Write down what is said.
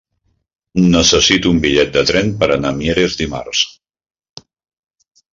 Necessito un bitllet de tren per anar a Mieres dimarts.